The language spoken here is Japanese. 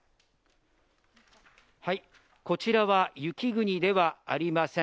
こちらは雪国ではありません。